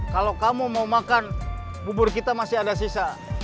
kalau kamu mau makan bubur kita masih ada sisa